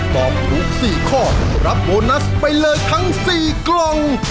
ตอบถูก๔ข้อรับโบนัสไปเลยทั้ง๔กล่อง